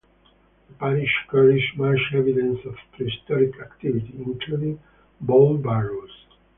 The parish carries much evidence of prehistoric activity, including bowl barrows.